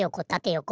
よこ。